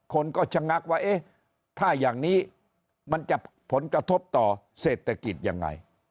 คนก็ชะงักว่าเอ๊ะถ้าอย่างนี้มันจะผลกระทบต่อเศรษฐกิจยังไง